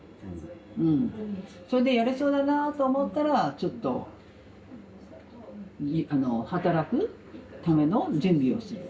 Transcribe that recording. それでやれそうだなと思ったらちょっと働くための準備をする。